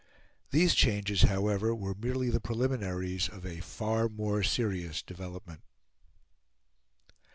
These changes, however, were merely the preliminaries of a far more serious development.